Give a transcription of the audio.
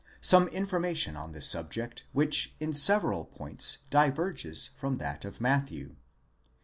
some information on this subject which in several points diverges from that of Matthew.